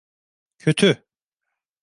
Kötü.